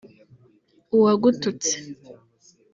uwagututse